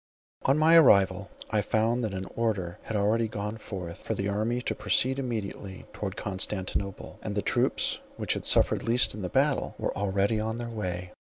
On my arrival, I found that an order had already gone forth for the army to proceed immediately towards Constantinople; and the troops which had suffered least in the battle were already on their way.